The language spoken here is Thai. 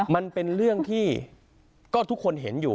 มันเป็นเรื่องที่ก็ทุกคนเห็นอยู่